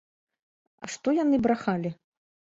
А што яны брахалі?